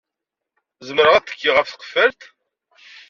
Zemreɣ ad tekkiɣ ɣef tqeffalt?